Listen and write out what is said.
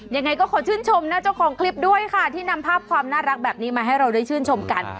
ยังไงก็ขอชื่นชมนะเจ้าของคลิปด้วยค่ะที่นำภาพความน่ารักแบบนี้มาให้เราได้ชื่นชมกัน